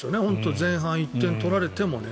前半、１点取られてもね。